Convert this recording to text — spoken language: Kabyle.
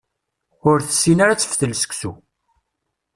Ur tessin ara ad teftel seksu.